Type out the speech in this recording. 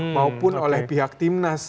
maupun oleh pihak timnas